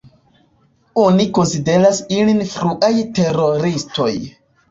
Oni konsideras ilin fruaj teroristoj.